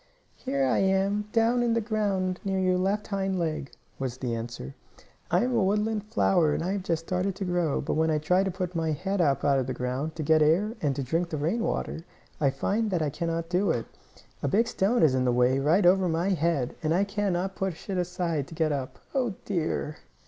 "Here I am, down in the ground near your left hind leg," was the answer. "I am a woodland flower and I have just started to grow. But when I tried to put my head up out of the ground, to get air, and drink the rain water, I find I cannot do it. A big stone is in the way, right over my head, and I cannot push it aside to get up. Oh, dear!"